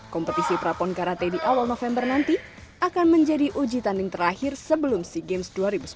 kompetisi prapon karate di awal november nanti akan menjadi uji tanding terakhir sebelum sea games dua ribu sembilan belas